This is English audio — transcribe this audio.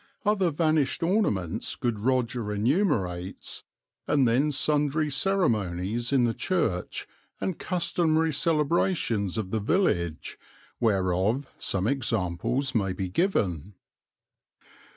Other vanished ornaments good Roger enumerates, and then sundry ceremonies in the church and customary celebrations of the village, whereof some examples may be given.